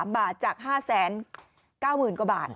๑๙๙๕๓บาทจาก๕๙๐๐๐๐กว่าบาท